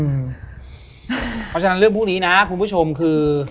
เพราะฉะนั้นเรื่องพวกนี้นะคุณผู้ชมคือ